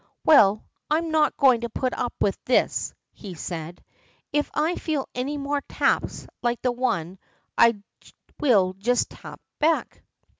"Well, I'm not going to put up with this," he said. "If I feel any more taps like that one I will just tap back."